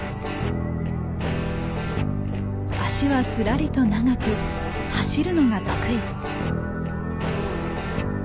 足はすらりと長く走るのが得意。